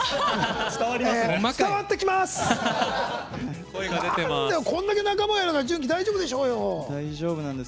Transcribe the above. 伝わってきます！